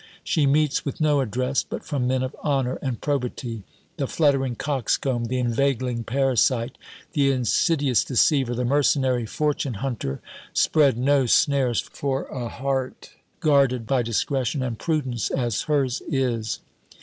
She meets with no address but from men of honour and probity: the fluttering coxcomb, the inveigling parasite, the insidious deceiver, the mercenary fortune hunter, spread no snares for a heart guarded by discretion and prudence, as hers is.